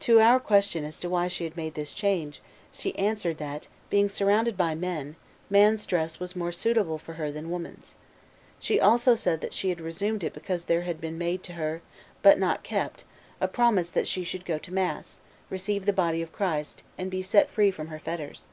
To our question as to why she had made this change, she answered, that, being surrounded by men, man's dress was more suitable for her than woman's. She also said that she had resumed it because there had been made to her, but not kept, a promise that she should go to mass, receive the body of Christ, and be set free from her fetters.